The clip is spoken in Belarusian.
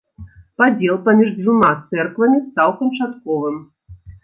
Падзел паміж дзвюма цэрквамі стаў канчатковым.